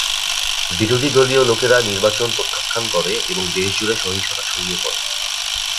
বিরোধী দলীয় লোকেরা নির্বাচন প্রত্যাখ্যান করে এবং দেশজুড়ে সহিংসতা ছড়িয়ে পড়ে।